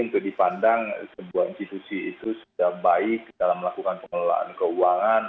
untuk dipandang sebuah institusi itu sudah baik dalam melakukan pengelolaan keuangan